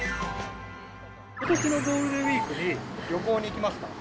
ことしのゴールデンウィークに旅行に行きますか。